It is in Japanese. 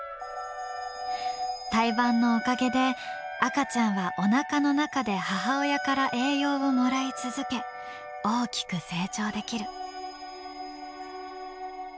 胎盤のおかげで赤ちゃんはおなかの中で母親から栄養をもらい続け大きく成長できる。